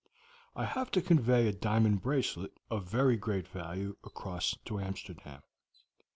"I have to convey a diamond bracelet of very great value across to Amsterdam.